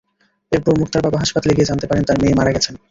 এরপর মুক্তার বাবা হাসপাতালে গিয়ে জানতে পারেন, তাঁর মেয়ে মারা গেছেন।